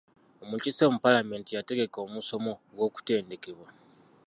Omukiise mu palamenti yategeka omusomo gw'okutendekebwa.